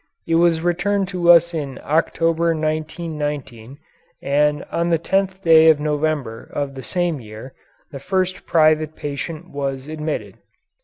It was returned to us in October, 1919, and on the tenth day of November of the same year the first private patient was admitted.